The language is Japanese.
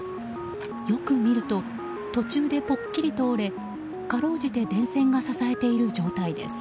よく見ると途中でぽっきりと折れかろうじて電線が支えている状態です。